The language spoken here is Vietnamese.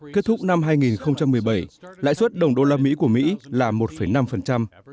kết thúc năm hai nghìn một mươi bảy lãi suất đồng đô la mỹ của mỹ là một năm